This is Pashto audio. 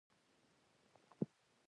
د وخت قدر وکړه، دا ستا ژوند دی.